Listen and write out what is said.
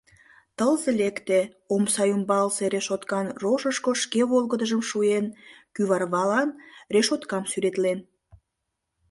Тылзе лекте; омса ӱмбалсе решоткан рожышко шке волгыдыжым шуен, кӱварвалан решоткам сӱретлен.